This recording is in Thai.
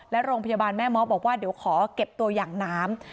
และโรงพยาบาลแม่เมาะบอกว่าเดี๋ยวขอเก็บตัวอย่างน้ำ